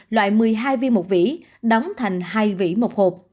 loại một mươi hai viên một vỉ đóng thành hai vỉ một khuẩn